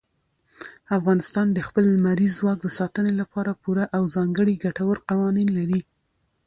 افغانستان د خپل لمریز ځواک د ساتنې لپاره پوره او ځانګړي ګټور قوانین لري.